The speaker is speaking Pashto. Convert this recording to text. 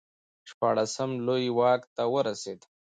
شپاړسم لویي واک ته ورسېد.